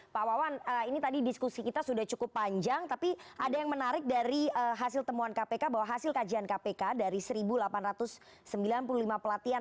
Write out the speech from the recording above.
pak wawan ini tadi diskusi kita sudah cukup panjang tapi ada yang menarik dari hasil temuan kpk bahwa hasil kajian kpk dari satu delapan ratus sembilan puluh lima pelatihan